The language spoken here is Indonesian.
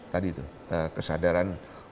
tadi tuh kesadaran